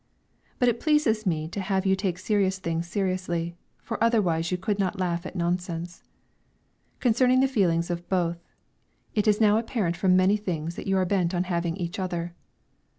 But it pleases me to have you take serious things seriously, for otherwise you could not laugh at nonsense. Concerning the feelings of both, it is now apparent from many things that you are bent on having each other.